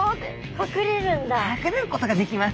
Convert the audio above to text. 隠れることができます。